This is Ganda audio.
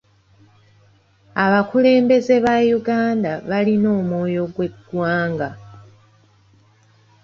Abakulembeze ba Uganda balina omwoyo gw'eggwanga.